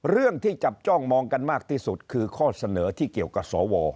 เรื่องที่จับจ้องมองกันมากที่สุดคือข้อเสนอที่เกี่ยวกับสว